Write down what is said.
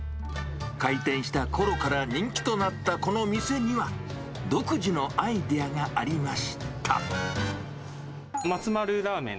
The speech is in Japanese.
開店したころから人気となったこの店には、独自のアイデアがありマツマルラーメン。